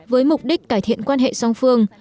với mục đích cải thiện quan hệ song phương